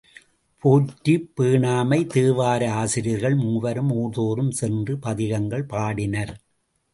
போற்றிப் பேணாமை தேவார ஆசிரியர்கள் மூவரும், ஊர்தோறும் சென்று பதிகங்கள் பாடினர்.